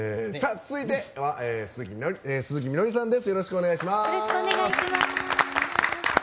続いては鈴木みのりさんです。